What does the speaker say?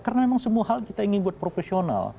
karena memang semua hal kita ingin buat profesional